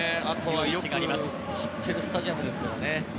あとは、よく知ってるスタジアムですからね。